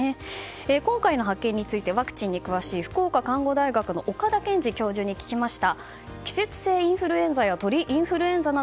今回の発見についてワクチンに詳しい福岡看護大学の岡田賢司教授に聞きました。